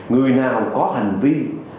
người nào có hành vi